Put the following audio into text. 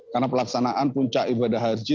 karena pelaksanaan puncak ibadah haji